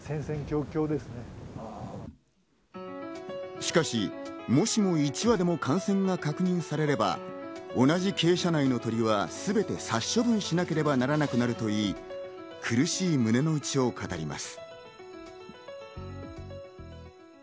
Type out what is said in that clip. しかし、もしも１羽でも感染が確認されれば、同じ鶏舎内の鶏はすべて殺処分しなければならなくなるといい、苦しい胸の内を語ります。